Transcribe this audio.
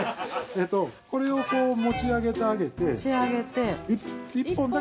これをこう持ち上げてあげて１本だけ。